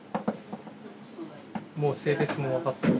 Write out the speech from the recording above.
もう性別も分かってる？